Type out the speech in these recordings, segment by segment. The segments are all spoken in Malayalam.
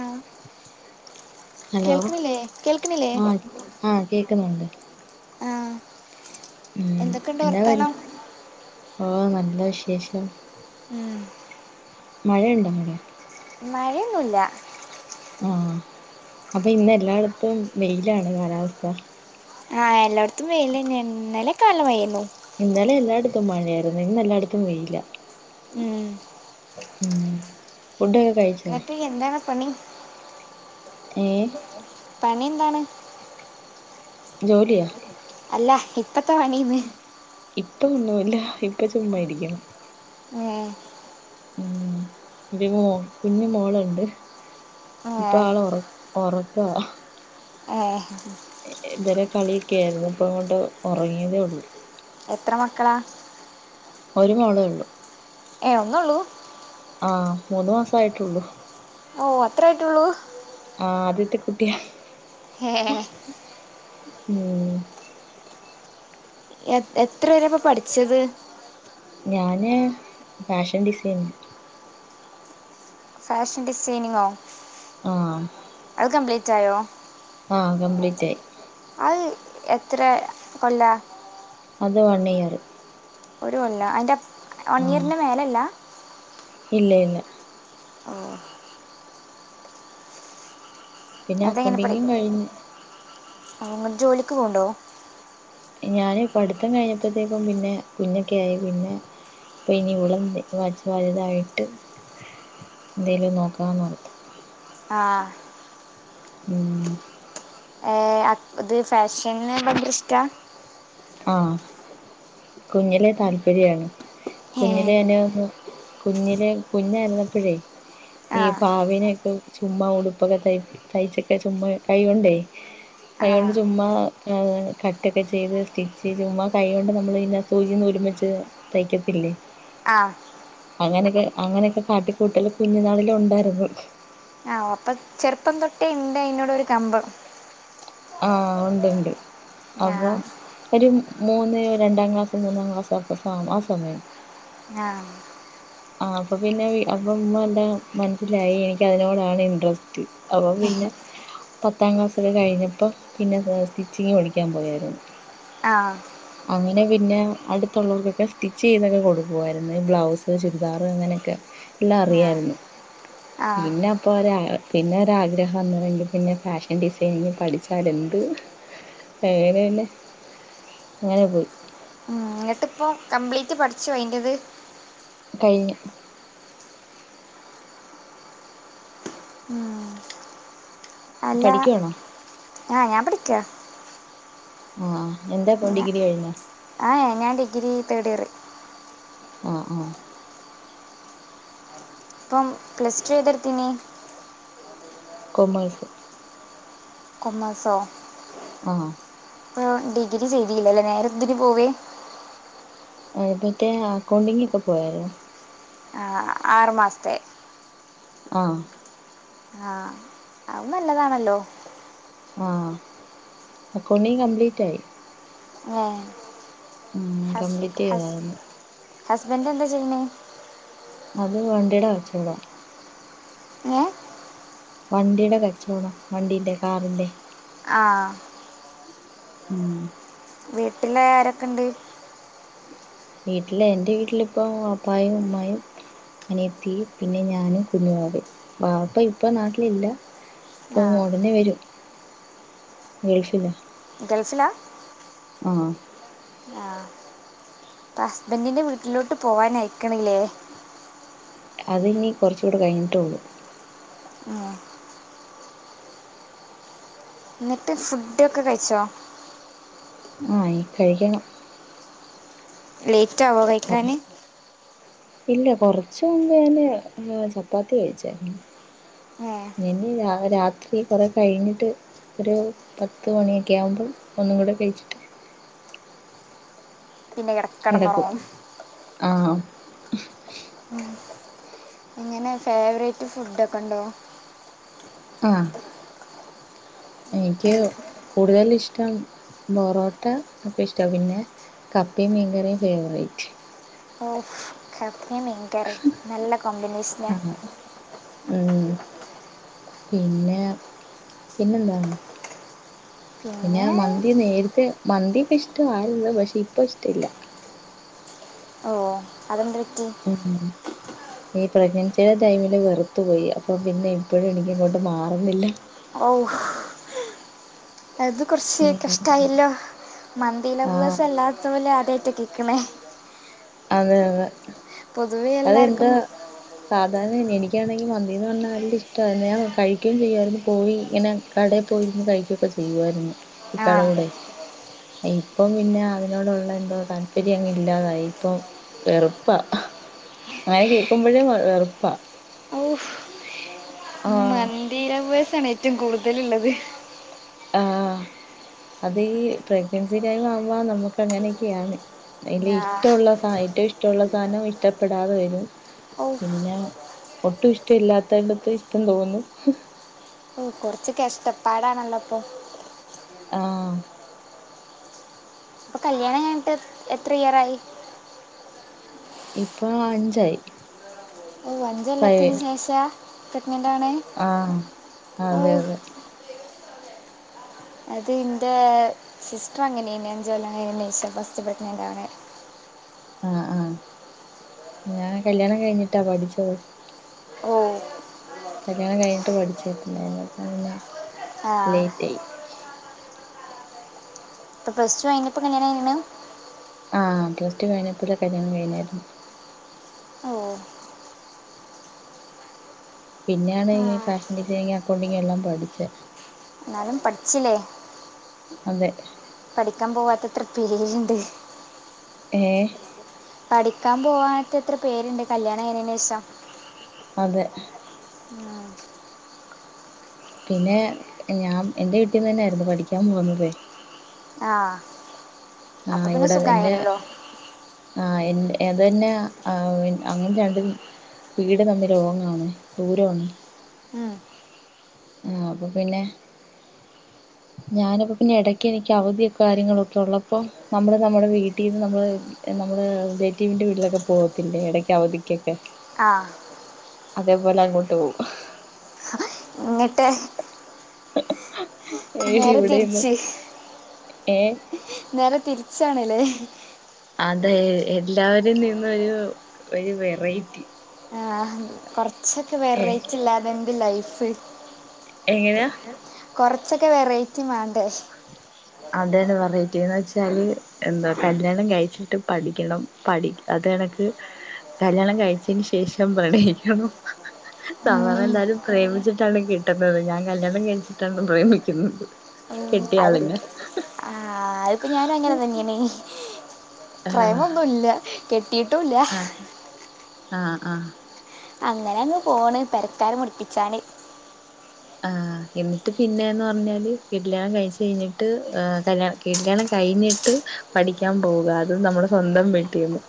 അഹ് ഹലോ കേക്ക്ണില്ലേ കേൾക്ണില്ലേ ആഹ് ആഹ് കേക്കുന്നുണ്ട് ആഹ് ഉം എന്താവാൻ ഓ നല്ല വിശേഷം ഉം മഴണ്ടാ അവ്ടെ മഴെന്നുല്ല ആഹ് അപ്പിന്നെല്ലാടത്തും വെയിലാണ് കാലാവസ്ഥ. ആഹ് എല്ലോട്ത്തും വെയ്‌ലന്നേണ് ഇന്നലൊക്കെ നല്ല മയേന്നു ഇന്നലെല്ലാടത്തും മഴയായിര്ന്ന് ഇന്നെല്ലാടത്തും വെയില. ഉം ഉം ഫുഡ്ഡൊക്കെ കഴിച്ചാ? എന്നിട്ട് എന്താണ് പണി ഏഹ് പണിന്താണ്? ജോലിയാ അല്ല ഇപ്പെത്താ പണീന്ന് ഇപ്പൊ ഒന്നൂല്ല ഇപ്പ ചുമ്മായിരിക്കും ഉം ഉം ബി മോ കുഞ്ഞ് മോളണ്ട് ഏ ഇപ്പാള് ഒറ ഒറക്കാ ഹ് ഹ് എ എതരെ കളിക്യാര്ന്നു ഇപ്പങ്ങോട്ട് ഒറങ്ങിയതേ ഒള്ളൂ എത്ര മക്കളാ ഒര് മോളേള്ളു ഏ ഒന്നൊള്ളൂ ആഹ് മൂന്ന് മാസായിട്ടുള്ളൂ ഓ അത്ര ആയിട്ടേള്ളൂ ആഹ് ആദ്യത്തെ കുട്ടിയാ ഹേ ഉം എഹ് എത്ര വെരെ അപ്പൊ പഠിച്ചത് ഞാന് ഫാഷൻ ഡിസൈൻ ഫാഷൻ ഡിസൈനിങ്ങോ ആഹ് അത് കംപ്ലീറ്റ് ആയോ ആഹ് കംപ്ലീറ്റായി അത് എത്ര കൊല്ല അത് വൺ ഇയറ് ഒരു കൊല്ല അതിൻ്റെ വൺ ആഹ് ഇയറിൻ്റെ മേല ഇല്ല ഇല്ല ഇല്ല ഓ പിന്നെ അതെങ്ങനെ പഠി അക്കൗണ്ടിങ്ങും കഴിഞ്ഞ് ജോലിക്ക് പോക് ണ്ടോ ഞാൻ പഠിത്തം കഴിഞ്ഞപ്പോഴത്തേക്കും പിന്നെ കുഞ്ഞൊക്കെ ആയി പിന്നെ ഇപ്പ ഇനി ഇവള് ഇവിടെ വച്ച്‌ വലുതായിട്ട് എന്തേലും നോക്കാന്ന് പറഞ്ഞു ആഹ് ഉം ഏ, ഇത് ഫാഷന് ഭയങ്കര ഇഷ്ടാ ആഹ് കുഞ്ഞിലെ താല്പര്യാണ് കുഞ്ഞിലെ എന്നെ ഒന്ന് കുഞ്ഞിലെ കുഞ്ഞായിരുന്നപ്പോഴേ ആ ഈ പാവിനൊക്കെ ചുമ്മാ ഉടുപ്പൊക്കെ ത തയ്ച്ച്ക്കെ ചുമ്മാ കൈ കൊണ്ടേ ആ കൈ കൊണ്ട് ചുമ്മാ കട്ടൊക്കെ ചെയ്ത് സ്റ്റിച്ച് ചുമ്മാ കൈകൊണ്ട് നമ്മള് പിന്നെ സൂചിം നൂലും വെച്ച് തയ്ക്കത്തില്ലേ ആഹ് അങ്ങനെയൊക്കെ അങ്ങനെയൊക്കെ കാട്ടിക്കൂട്ടല് കുഞ്ഞുനാളിലെ ഉണ്ടായിരുന്നു ആ അപ്പൊ ചെറുപ്പം തൊട്ടേ ഉണ്ട് അയിനോട് ഒരു കമ്പം ആഹ് ഉണ്ട്ണ്ട് ആ അപ്പൊ ഒരു മൂന്ന് രണ്ടാം ക്ലാസ്സ് മൂന്നാം ക്ലാസ്സ് അപ്പോൾ സ ആ സമയം ആഹ് ആഹ് അപ്പൊ പിന്നെ അപ്പൊ ഉമ്മ എല്ലാം മനസ്സിലായി എനിക്ക് അതിനോടാണ് ഇൻട്രസ്റ്റ് അപ്പൊ പിന്നെ പത്താം ക്ലാസ്സ് ഒക്കെ കഴിഞ്ഞപ്പോൾ പിന്നെ സ്റ്റിച്ചിങ്ങ് പടിക്കാൻ പോയായിരുന്നു ആഹ് അങ്ങനെ പിന്നെ അടുത്തുള്ളവർക്കൊക്കെ സ്റ്റിച്ച് ചെയ്തൊക്കെ കൊടുക്കുമായിരുന്നു ഈ ബ്ലൗസ് ചുരിദാറ് അങ്ങനെയൊക്കെ എല്ലാം അറിയായിരുന്നു ആ പിന്നെ അപ്പോൾ ഒരു പിന്നെ ഒരാഗ്രഹം വന്നിട്ടുണ്ടെങ്കിൽ പിന്നെ ഫാഷൻ ഡിസൈനിങ് പഠിച്ചാലെന്ത് എനെ പിന്നെ അങ്ങനെ പോയി എന്നിട്ട് ഇപ്പോൾ കംപ്ലീറ്റ് പഠിച്ചു അയിൻ്റെത് കഴിഞ്ഞു അല്ല പഠിക്കുവാണോ ആഹ് ഞാൻ പഠിക്ക ആഹ് എന്താ പോ ഡിഗ്രി കഴിഞ്ഞോ ആഹ് ഞാൻ ഡിഗ്രി തേർഡ് ഇയർ ആഹ് ആഹ് അപ്പം പ്ലസ് ടു ഏതിട്ത്തിനി കൊമേസ്. കൊമേസോ? ആഹ് ഡിഗ്രി ചെയ്തീല്ലല്ലോ. നേരെന്തിന് പോവേ? ആ ഇപ്പത്തെ അക്കൗണ്ടിങ്ങെക്കെപ്പോയാരുന്നു. ആ, ആറ് മാസത്തെ. ആഹ് ആഹ്. അത് നല്ലതാണല്ലോ. ആഹ് അക്കൗണ്ടിങ് കംപ്ലീറ്റായി. [unintelligible] ഉം കംപ്ലീറ്റെയ്താരുന്നു. ഹസ്ബന്റെന്താ ചെയ്യണേ? അത് വണ്ടിട കച്ചോടാ. ങേ? വണ്ടിടെ കച്ചോടം. വണ്ടീന്റെ, കാറിന്റെ. ആഹ്, ആഹ്. ഉം വീട്ടിലാരെക്കെണ്ട്? വീട്ടില്, എന്റെ വീട്ടിലിപ്പോ വാപ്പായും ഉമ്മായും. അനിയത്തി, പിന്നെ ഞാനും കുഞ്ഞുവാവെ. വാപ്പ ഇപ്പം നാട്ടിലില്ല. ഇപ്പൊ ആ ഒടനെ വെരും. ഗൾഫിലാ. ഗൾഫിലാ? ആഹ്. ആഹ്. ഇപ്പ ഹസ്ബൻഡിൻ്റെ വീട്ടിലോട്ട് പോവാനായ്ക്കണിലേ? അതിനി കൊറച്ചൂടെ കഴിഞ്ഞിട്ടേഉള്ളൂ. ആഹ്. എന്നിട്ട് ഫുഡൊക്കെ കഴിച്ചോ? ആഹ് ഇ കഴിക്കെണം. ലേറ്റാവോ കുറ- കഴിക്കാന്? ഇല്ല. കൊറച്ച് മുമ്പാന് ഹ് ചെപ്പാത്തി കഴിച്ചാരുന്ന്. ഏ ഇനി രാത്രി കൊറെ കഴിഞ്ഞിട്ട് ഒരു പത്ത് മണിയൊക്കെയാവുമ്പം ഒന്നുങ്കൂടെ കഴിച്ചിട്ട്. പിന്നെ കിട- കെടക്കും ആഹ്. ഉം. ഇങ്ങനെ ഫേവറേറ്റ് ഫുഡൊക്കൊണ്ടോ? ആഹ് എനിക്ക് കൂടുതലിഷ്ടം ബൊറോട്ടക്കെ ഇഷ്ടാ. പിന്നെ കപ്പേം മീങ്കറിം ഫേവറേറ്റ്. ഓ കപ്പേം മീൻക്കറിം നല്ല കോമ്പിനേഷനാ. ആഹ് ഉം പിന്നെ പിന്നെന്താണ്? പിന്നെ മന്തി നേരത്തെ. മന്തിക്കെ ഇഷ്ടവാരുന്നു. പക്ഷെ ഇപ്പ ഇഷ്ടില്ല. ഓ അതെന്ത് വറ്റി? ഉ ഉം ഈ പ്രഗ്നൻസിടെ ടൈമില് വെറുത്തുപ്പോയി. അപ്പം പിന്നെ ഇപ്പഴും എനിക്കങ്ങോട്ട് മാറുന്നില്ല. ഓ അത് കൊറെച്ച് ഉം കഷ്ടായല്ലോ. മന്തി ആഹ് ലവ്വേർസല്ലാത്തോലെ ആദ്യാട്ട കേക്കണേ. അതെ അതെ. പൊതുവെ എല്ലാവർക്കും അതെന്താ? സാധാണ എനിക്കാണെങ്കി മന്തീന്ന് പറഞ്ഞാ നല്ല ഇഷ്ടാരുന്നു. ഞാൻ കഴിക്കേയും ചെയ്യുമാരുന്നു. പോയി ഇങ്ങനെ. കടേ പോയിരുന്ന് കഴിക്കൊക്കെ ചെയ്യുവാരുന്നു. ആ ഇക്കാടെകൂടെ. ഇപ്പം പിന്നെ അതിനോടൊള്ള എന്തോ താല്പര്യം അങ്ങില്ലാതായി ഇപ്പം. വെറുപ്പ ആഹ് ങ്ങനെ കേൾക്കുമ്പോഴേ വെറുപ്പാ ആഹ് മന്തിലൗ‌വെയ്സണ് ഏറ്റവും കൂടുതല്ള്ളത്. ആഹ് അത് ഈ പ്രഗ്നൻസി ടൈം ആവുമ്പോ നമുക്ക് അങ്ങനെയൊക്കെയാണ്. അല്ല ആ ഇഷ്ടള്ള സ ഏറ്റവും ഇഷ്ടള്ള സാനം ഇഷ്ടപ്പെടാതെ വരും. ഓ പിന്നെ ഒട്ടും ഇഷ്ടല്ലാത്തട്ട്ത്ത് ഇഷ്ടം തോന്നും കൊറച്ച് കഷ്ടപ്പാടാണല്ലോ ഇപ്പൊ ആഹ് ഇപ്പൊ കല്യാണം കഞ്ഞിട്ട് എത്ര ഇയറായി. ഇപ്പോ അഞ്ചായി. ഓ അഞ്ചോലത്തിന് ശേഷ പ്രഗ്നൻറ് ആണേ? ആ അതെ തെ. അത് ഇൻ്റെ സിസ്റ്റർ അങ്ങനെയെനി അഞ്ച് കൊല്ലം കഴിഞ്ഞെയ്നിഷ ഫസ്റ്റ് പ്രഗ്നൻറ്റവെന്നെ. ആ ആ ഞാൻ കല്യാണം കഴിഞ്ഞിട്ടാ പഠിച്ചത്. ഓ കല്ല്യാണം കഴിഞ്ഞിട്ട് പഠിച്ചിട്ട്ണ്ടായിരുന്നു അപ്പം പിന്നെ ആ ലേറ്റെയി. പ്പോ പ്ലസ് ടു അഴിഞ്ഞപ്പോൾ കല്യാണയിഞ്ഞാ ആഹ് പ്ലസ് ടു കഴിഞ്ഞപ്പോഴ കല്യാണം കഴിഞ്ഞായിരുന്നു ഓ പിന്നെണ് ആ, ഈ ഫാഷൻ ഡിസൈനിങ്ങ് അക്കൗണ്ടിങ്ങേല്ലാം പഠിച്ചെ. ന്നാലും പഠിച്ചില്ലേ. അതെ പഠിക്കാൻ പോവാത്തത്ര പേരിണ്ട്. ഏ പഠിക്കാൻ പോവത്തെത്ര പേര്ണ്ട് കല്ല്യാണം കഴിഞ്ഞെയ്നെഷം അതെ. ഉം പിന്നെ ഞാം എൻ്റെ വിട്ടിന്ന് തന്നൊയിരുന്നു പഠിക്കാൻ പോവുന്നതെ ആഹ് ആഹ് ഇവിടെ അതന്റെ ആ് എൻ അതേന്നെ അങ്ങനെ രണ്ട് വീട് തമ്മിൽഓങ്ങാണ് ദൂരോണ് ഉം. മ് ആ പ്പൊ പിന്നെ. ഞാനപ്പോ പിന്നെ ഇടക്ക് എനിക്ക് അവധിയൊക്കെ കാര്യങ്ങളോക്കെ ള്ളപ്പോ നമ്മള് നമ്മുടെ വീട്ടിന്ന് നമ്മള് നമ്മള് റിലേറ്റീവിന്റെ വീട്ടിലൊക്കെ പോകത്തില്ലേ എടക്ക് അവധിക്കൊക്കെ ആ അതേപോലെ അങ്ങോട്ട് പോകും ഹ് ന്നിട്ട് ഏ നേരെ ഇവെടെന്ന് തിരിച്ച് ഏ നേരെ തിരിച്ചാണ്ല്ലേ അതെ എല്ലാവരിൽ നിന്നൊരു ഒരു വെറൈറ്റി. ആ കൊറച്ചൊക്കെ ഏഹ് വെറൈറ്റി ഇല്ലാതെന്ത് ലൈഫ് എങ്ങനെ യാ കുറച്ചൊക്കെ വെറൈറ്റി വാണ്ടെ. അതന്നെ വരയ്‌റ്റിന്ന്ച്ചാൽ എന്താ കല്യാണം കഴിച്ചിട്ട് പഠിക്കണം. പഠിക്ക തെനെക്ക് കല്യാണം കഴിചെയ്ന്ന് ശേഷം പ്രണയിക്കണം. സാധാരണ ഉം. എല്ലാരും പ്രേമിച്ചിട്ടാണ് കെട്ട്ന്നത് ഞാൻ കല്യാണം കഴിച്ചിട്ടാണ് പ്രേമിക്ക്ന്നത്. ഉം. അത് കെട്ടിയളിന്ന് ആ അതിപ്പോ ഞാനും അങ്ങനെ തന്നെയ്ണേ ആഹ് പ്രേമൊന്നുല്ല കെട്ടിയിട്ടുല്ല ആഹ് ആഹ് ആഹ് അങ്ങനെ അങ്ങ് പോണ്, പെരക്കാരെ മുടിപ്പിച്ചാൻ. ആഹ് എന്നിട്ട് പിന്നേന്ന് പറഞ്ഞാല് കല്യാണം കഴിച്ചഴിഞ്ഞിട്ട്, കല്യാണം കില്യാണം കഴിഞ്ഞിട്ട്. പഠിക്കാൻ പോകാതെ നമ്മുടെ സ്വന്തം ബെഡ്‌റുമ്.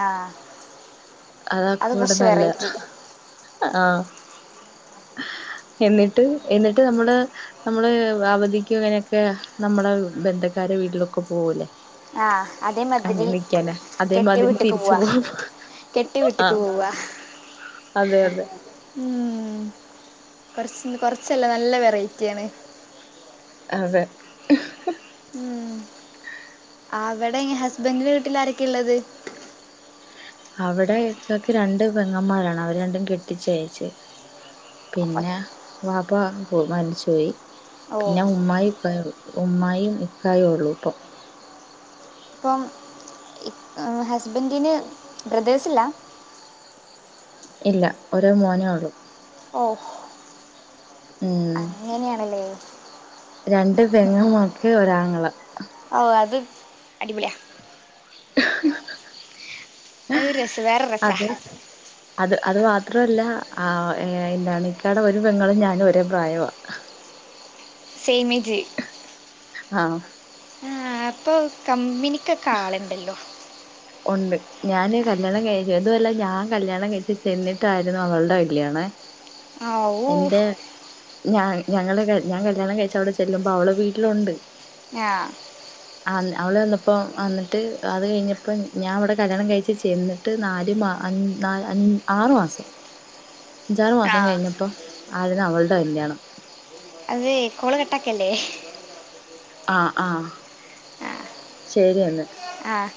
ആഹ്. അതക്ക കൊണ്ട് നല്ല ആഹ് എന്നിട്ട് എന്നിട്ട് നമ്മട് നമ്മള് അവധിക്കും ഇങ്ങനെയൊക്കെ നമ്മുടെ ബന്ധക്കാരെ വീട്ടിലൊക്കെ പോകൂലേ? ആഹ് അതേമാതിരി കെട്ടിയ അതേമാതിരി വീട്ട് ക്ക് തിരിച്ചു പോവാ. പോകും കെട്ടി വിട്ടക്ക് ആഹ് പോവാ. അതെ അതെ ഉ കൊറച്ച് കുറച്ചല്ല നല്ല വെറൈറ്റിയ ആണ്. അതെ. ഉം. ആ അവിടെ ഹസ്ബൻന്റെ വീട്ടില ആരൊക്കെ ഉള്ളത്. അവിടെക്കക്ക രണ്ട് പെങ്ങന്മാരാണ് അവര് രണ്ടും കെട്ടിച്ചയച്. പിന്നെ വവ പോ മരി ച്ചുപയി. ഓ പിന്നെ ഉമ്മായി ഉപ്പായും ഉമ്മായും ഇക്കായ ഉള്ളൂ ഇപ്പം. ഇപ്പം. ഹസ്ബൻഡിന് ബ്രദേഴ്സില്ല. ഇല്ല ഓരോ മോനേള്ളൂ. ഓ ഉം അങ്ങനാണല്ലേ. രണ്ട് പെങ്ങമാക്ക് ഒരാങ്ങളാ. ഓ അത് അടിപൊളിയ. ക് ഉഹ്. അതരു രസം വേറെ രസ. അത് അത് മാത്രല്ല ആ എന്താണ്ക്കാടെ ഒരു പെങ്ങളും ഞാനും ഒരേ പ്രായ. സേമേജ് ആഹ് അപ്പൊ കമ്പനിക്കൊക്കെ ആള്ണ്ടല്ലോ. ഉണ്ട് ഞാൻ കല്യാണം കഴിച്ചു അതുമല്ല ഞാൻ കല്യാണം കഴിു ചെന്നിട്ടായിരുന്നു അവൾടെ കല്യാണ. ആ ഊ എന്റെ ഞ ഞങ്ങള് ഞാൻ കല്യാണം കഴിച്ച അവിടെ ചെല്ലുമ്പ അവള് വീട്ടിലുണ്ട്. ആഹ് ആ അവള് വന്നപ്പോ വന്നിട്ട് അത് കഴിഞ്ഞപ്പോ ഞാൻ അവിടെ കല്യാണം കഴിച്ചു ചെന്ന്. ട്ട് നാല് മ അ അ ആറ് മാസം. അഞ്ചാറു ആ മാസം കഴിഞ്ഞപ്പോ ആര്ന്ന് അവൾടെ കല്യാണം. അത് കോള് കെട്ടാക്കല്ലേ ആഹ് ആഹ് ശരി എന്ന ആഹ്